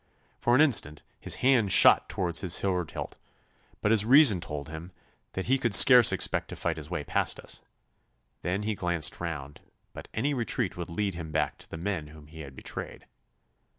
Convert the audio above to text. For an instant his hand shot towards his sword hilt, but his reason told him that he could scarce expect to fight his way past us. Then he glanced round, but any retreat would lead him back to the men whom he had betrayed.